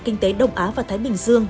kinh tế đông á và thái bình dương